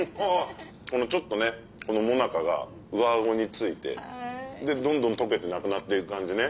この最中が上顎に付いてどんどん溶けてなくなっていく感じね。